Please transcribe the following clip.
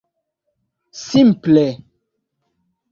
simple